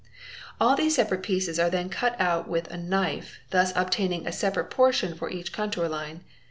All these separate pieces are then cut out with a knife, thus obtaining a separate portion for each contour line.